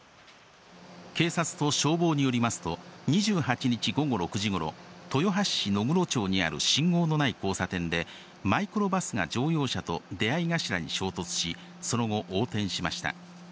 警察と消防によりますと、２８日午後６時ごろ、豊橋市野黒町にある信号のない交差点で、マイクロバスが乗用車と出会い頭に衝突し、その後、横転しました。